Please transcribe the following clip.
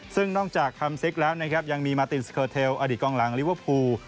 ซึ่งนอกจากคัมซิกแล้วนะครับยังมีมาตินสเคอร์เทลอดีตกองหลังลิเวอร์พูล